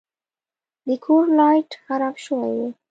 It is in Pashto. د کور لایټ خراب شوی و.